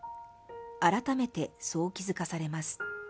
改めてそう気づかされます。